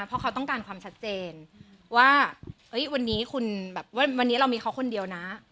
เพราะเขาต้องการความชัดเจนว่าวันนี้คุณแบบว่าวันนี้เรามีเขาคนเดียวนะ